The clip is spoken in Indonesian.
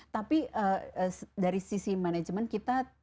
tapi dari sisi manajemen kita